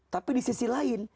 tapi di sisi lain